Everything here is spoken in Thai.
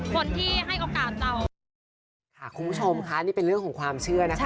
คนที่ให้โอกาสเราค่ะคุณผู้ชมค่ะนี่เป็นเรื่องของความเชื่อนะคะ